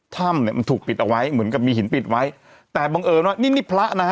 ถ้ำเนี่ยมันถูกปิดเอาไว้เหมือนกับมีหินปิดไว้แต่บังเอิญว่านี่นี่พระนะฮะ